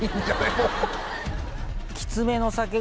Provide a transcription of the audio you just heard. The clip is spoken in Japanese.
もう。